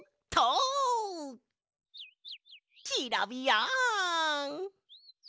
キラビヤン！